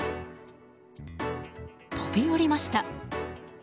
飛び降りました。